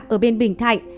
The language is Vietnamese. ở bên bình thạnh